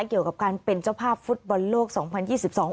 เกี่ยวกับการเป็นเจ้าภาพฟุตบอลโลกสองพันยี่สิบสอง